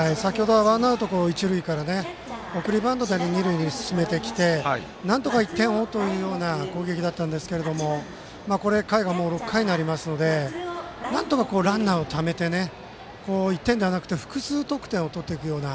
ワンアウト、一塁から送りバントで二塁に進めてきてなんとか１点をというような攻撃だったんですけど回が６回になりますのでなんとか、ランナーをためて１点ではなく複数得点を取っていくような